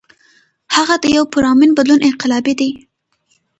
هغه د يو پُرامن بدلون انقلابي دے ۔